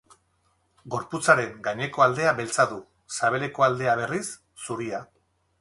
Gorputzaren gaineko aldea beltza du, sabeleko aldea, berriz, zuria.